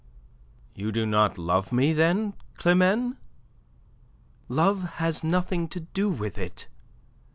"You do not love me then, Climene?" "Love has nothing to do with it.